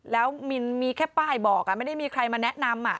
แล้วมินมีแค่ป้ายบอกไม่ได้มีใครมาแนะนำ